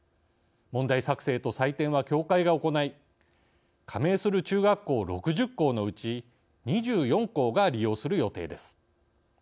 問題作成と採点は協会が行い加盟する中学校６０校のうち２４校が利用する予定です。